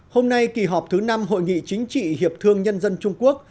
hôm nay kỳ họp thứ năm hội nghị chính trị hiệp thương nhân dân trung quốc